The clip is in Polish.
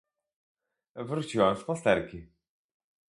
"Wróciłam z pasterki."